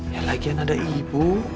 ya lagian ada ibu